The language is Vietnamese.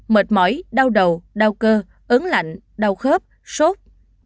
mệt mỏi đau đầu đau cơ ứng lạnh đau khớp sốt